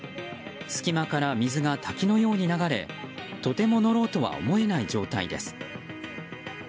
隙間から水が滝のように流れとても乗ろうとは思えない状態です。